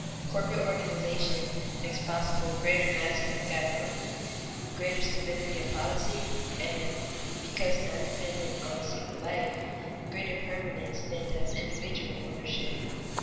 Corporate organization makes possible greater massing of capital, greater stability of policy, and (because not dependent on a single life) greater permanence than does individual ownership.